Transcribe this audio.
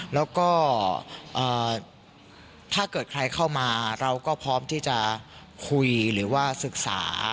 แล้วก็ถ้าเกิดใครเข้ามาเราก็พร้อมที่จะคุยหรือว่าศึกษา